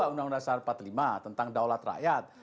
undang undang sarpat v tentang daulat rakyat